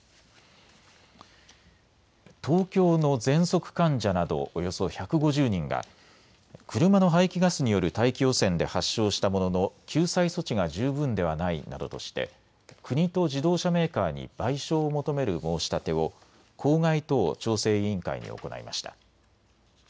東京のぜんそく患者などおよそ１５０人が車の排気ガスによる大気汚染で発症したものの救済措置が十分ではないなどとして国と自動車メーカーに賠償を求める申し立てを公害等調整委員会に行いました。